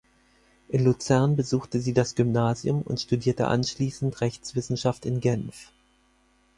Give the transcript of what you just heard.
In Luzern besuchte sie das Gymnasium und studierte anschliessend Rechtswissenschaft in Genf.